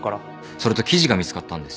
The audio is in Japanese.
それと記事が見つかったんです。